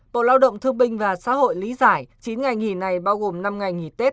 bộ lao động thương binh và xã hội lý giải chín ngày nghỉ này bao gồm năm ngày nghỉ tết